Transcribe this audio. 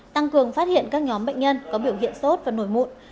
tăng cường phát hiện các nhóm bệnh nhân có biểu hiện sốt và nổi mụn